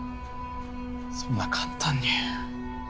そんな簡単に。